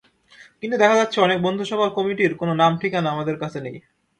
কিন্তু দেখা যাচ্ছে, অনেক বন্ধুসভার কমিটির কোনো নাম-ঠিকানা আমাদের কাছে নেই।